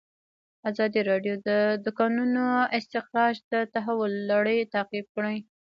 ازادي راډیو د د کانونو استخراج د تحول لړۍ تعقیب کړې.